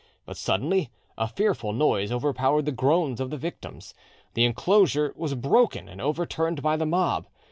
But suddenly a fearful noise overpowered the groans of the victims; the enclosure was broken and overturned by the mob.